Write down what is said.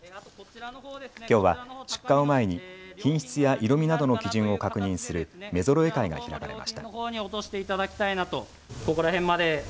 きょうは出荷を前に品質や色みなどの基準を確認する目ぞろえ会が開かれました。